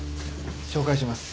紹介します。